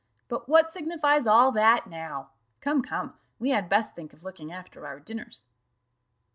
But what signifies all that now? Come, come, we had best think of looking after our dinners."